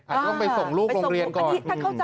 ต้องไปส่งลูกโรงเรียนก่อน